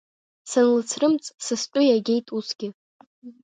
Санлыцрымҵ, са стәы иагеит усгьы.